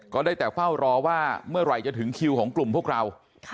ก็ได้แต่เฝ้ารอว่าเมื่อไหร่จะถึงคิวของกลุ่มพวกเรา